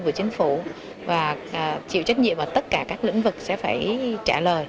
của chính phủ và chịu trách nhiệm ở tất cả các lĩnh vực sẽ phải trả lời